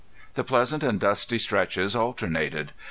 The pleasant and dusty stretches alternated.